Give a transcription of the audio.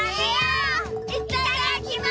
いただきます！